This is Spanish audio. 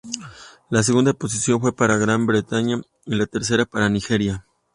La segunda posición fue para Gran Bretaña y la tercera para Nigeria.